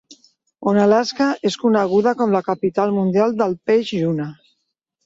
Onalaska és coneguda com la "capital mundial del peix lluna".